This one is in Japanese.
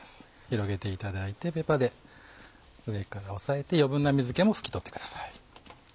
広げていただいてペーパーで上から押さえて余分な水気も拭き取ってください。